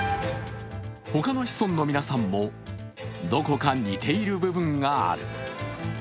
他の子孫の皆さんも、どこか似ている部分がある。